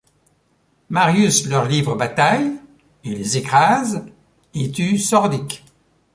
Marius leur livre bataille et les écrase et tue Sordic.